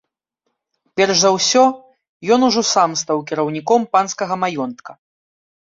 Перш за ўсё ён ужо сам стаў кіраўніком панскага маёнтка.